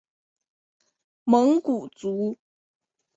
蒙古族。